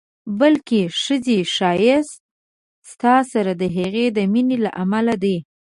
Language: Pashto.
بلکې ښځې ښایست ستا سره د هغې د مینې له امله دی.